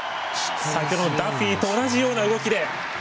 先ほどのダフィーと同じような動きで。